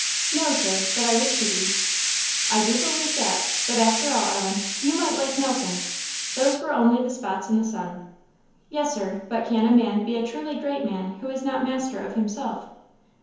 "No, Sir; but I wish to be." "I do believe that. But after all, Ellen, you might like Nelson; those were only the spots in the sun." "Yes, Sir; but can a man be a truly great man who is not master of himself?"